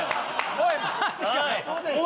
おい！